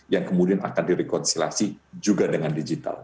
yang kemudian akan direkonsilasi juga dengan digital